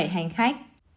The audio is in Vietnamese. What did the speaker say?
bảy hành khách